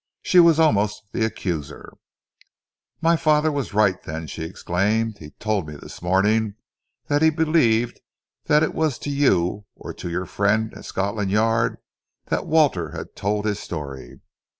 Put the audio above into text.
She was almost the accuser. "My father was right, then!" she exclaimed. "He told me this morning that he believed that it was to you or to your friend at Scotland Yard that Walter had told his story.